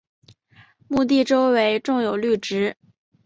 墓地周围种有绿植。